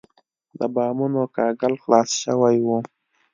د بامونو کاهګل خلاص شوی و.